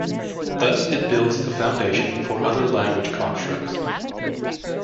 Thus it builds the foundation for other language constructs.